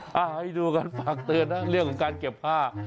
ให้ดูกันฝากเตือนนะเรื่องของการเก็บผ้า